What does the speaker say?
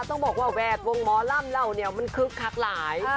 ต้องบอกว่าแวดวงหมอลำเราเนี่ยมันคึกคักหลาย